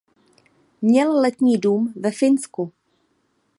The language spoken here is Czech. Měl letní dům ve Finsku.